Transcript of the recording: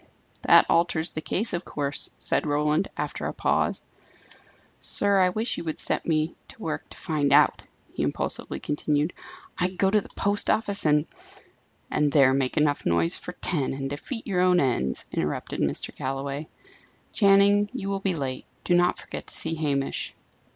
"That alters the case, of course," said Roland, after a pause. "Sir, I wish you would set me to work to find out," he impulsively continued. "I'd go to the post office, and " "And there make enough noise for ten, and defeat your own ends," interrupted Mr. Galloway. "Channing, you will be late. Do not forget to see Hamish."